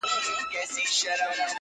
یوسف په خوب کي لټومه زلیخا ووینم!!